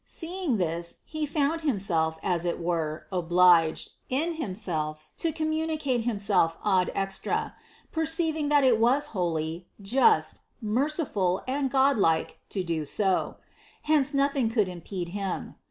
Seeing this He found Himself, as it were, obliged, in Himself, to communicate Himself ad extra, perceiving that it was holy, just, merciful, and god like to do so; hence nothing could impede Him.